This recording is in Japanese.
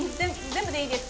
全部でいいです。